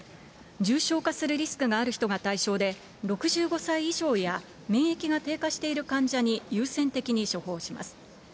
重症化するリスクがある人が対象で、６５歳以上や免疫が低下している患者に優先的に処方します。